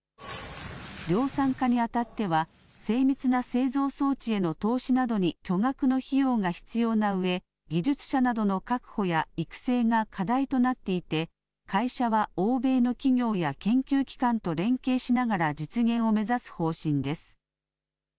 量産化にあたっては、精密な製造装置への投資などに巨額の費用が必要なうえ、技術者などの確保や育成が課題となっていて、会社は欧米の企業や研究機関と連携しながら実現を目指す方針です。